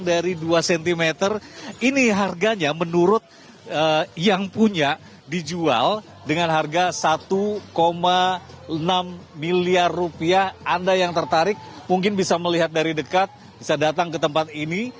dari dua cm ini harganya menurut yang punya dijual dengan harga satu enam miliar rupiah anda yang tertarik mungkin bisa melihat dari dekat bisa datang ke tempat ini